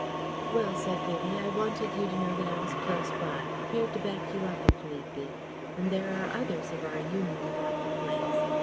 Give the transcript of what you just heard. "Well," said Vivie, "I wanted you to know that I was close by, prepared to back you up if need be. And there are others of our Union about the place.